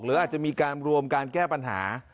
หรืออาจจะมีการรวมการแก้ปัญหา